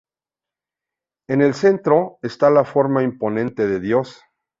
En el centro, está la forma imponente de Dios.